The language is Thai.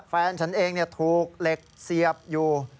แฟนฉันเองถูกเหล็กเสียบอยู่